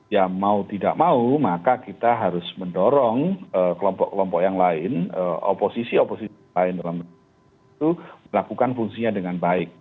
ya mau tidak mau maka kita harus mendorong kelompok kelompok yang lain oposisi oposisi lain dalam melakukan fungsinya dengan baik